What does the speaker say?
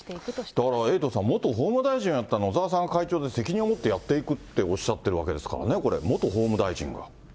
だからエイトさん、元法務大臣をやった野沢さんが会長で責任を持ってやっていくっておっしゃってるわけですからね、元法務大臣が。